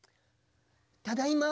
ただいま。